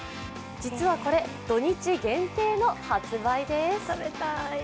実はこれ土日限定の発売です。